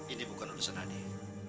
ini bukan urusan adik